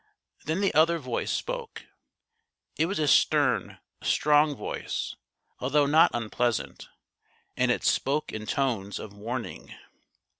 Then the other voice spoke. It was a stern, strong voice, although not unpleasant, and it spoke in tones of warning.